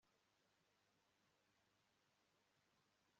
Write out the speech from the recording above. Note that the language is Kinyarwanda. akagenda abuza amahoro imihati yanyu ya buri gihe